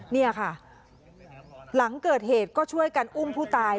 นี่ค่ะหลังเกิดเหตุก็ช่วยกันอุ้มผู้ตาย